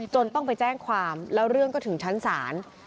ต้องไปแจ้งความแล้วเรื่องก็ถึงชั้นศาล